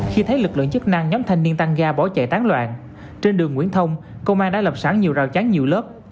khi thấy lực lượng chức năng nhóm thanh niên tăng ga bỏ chạy tán loạn trên đường nguyễn thông công an đã lập sẵn nhiều rào chắn nhiều lớp